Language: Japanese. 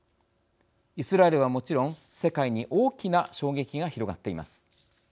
イスラエルはもちろん世界に大きな衝撃が広がっています。